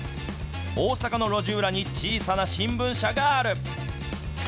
大阪の路地裏に小さな新聞社がある。